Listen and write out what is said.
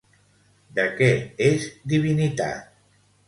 De què és divinitat?